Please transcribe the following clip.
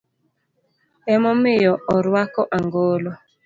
Emomiyo orwako angolo.